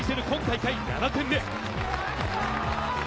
今大会７点目。